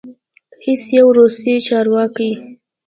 هیڅ یو روسي چارواکی